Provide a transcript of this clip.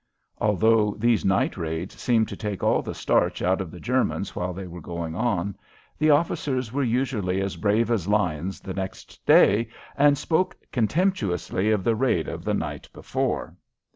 Although these night raids seemed to take all the starch out of the Germans while they were going on, the officers were usually as brave as lions the next day and spoke contemptuously of the raid of the night before.